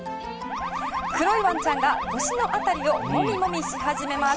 黒いワンちゃんが腰の辺りをモミモミし始めます。